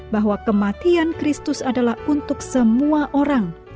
bahwa kematian kristus adalah untuk semua orang